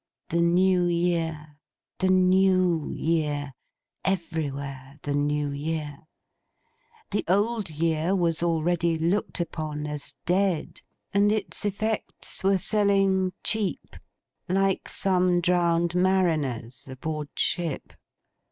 The New Year, the New Year. Everywhere the New Year! The Old Year was already looked upon as dead; and its effects were selling cheap, like some drowned mariner's aboardship.